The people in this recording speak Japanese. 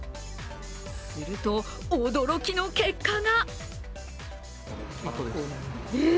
すると、驚きの結果が。